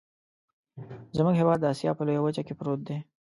زمونږ هیواد د اسیا په لویه وچه کې پروت دی.